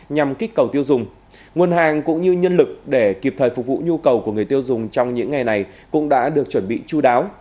nhằm kích cầu tiêu dùng nguồn hàng cũng như nhân lực để kịp thời phục vụ nhu cầu của người tiêu dùng trong những ngày này cũng đã được chuẩn bị chú đáo